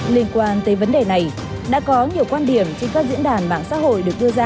liên quan tới vấn đề này đã có nhiều quan điểm trên các diễn đàn mạng xã hội được đưa ra